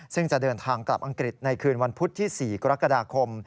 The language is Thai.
ซึ่งจะเดินทางกลับอังกฤษในคืนวันพุธที่๔กรกฎาคม